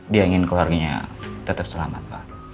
dia ingin keluarganya tetap selamat